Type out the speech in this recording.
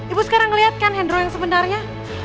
ibu sekarang melihatkan hendro yang sebenarnya